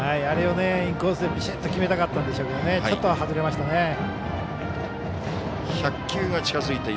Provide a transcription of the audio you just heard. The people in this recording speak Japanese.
あれをインコースでビシッと決めたかったんでしょうけどちょっと外れましたね。